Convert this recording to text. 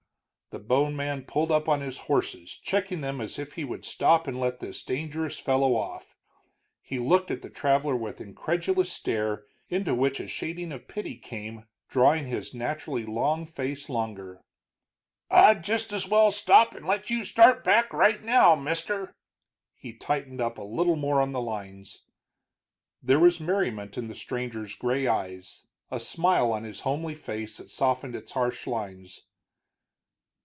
The bone man pulled up on his horses, checking them as if he would stop and let this dangerous fellow off. He looked at the traveler with incredulous stare, into which a shading of pity came, drawing his naturally long face longer. "I'd just as well stop and let you start back right now, mister." He tightened up a little more on the lines. There was merriment in the stranger's gray eyes, a smile on his homely face that softened its harsh lines.